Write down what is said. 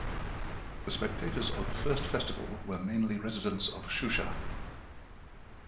The spectators of the first festival were mainly residents of Shusha.